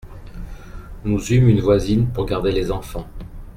Nous eûmes une voisine pour garder les enfants.